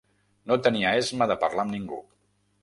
No tenia esma de parlar amb ningú.